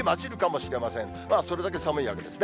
それだけ寒いわけですね。